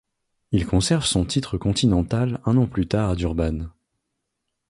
Il conserve son titre continental un an plus tard à Durban.